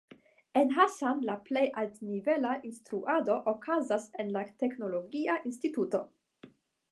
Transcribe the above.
En Hassan la plej altnivela instruado okazas en la teknologia instituto.